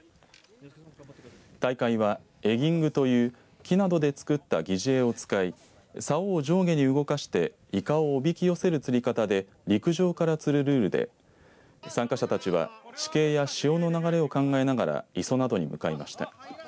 大会は、エギングという木などで作った疑似餌を使いさおを上下に動かしていかをおびき寄せる釣り方で陸上から釣るルールで参加者たちは地形や潮の流れを考えながら磯などに向かいました。